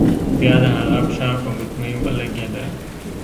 بیا د هغه پښه په ګوتمۍ ولګیده.